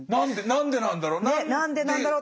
何でなんだろう。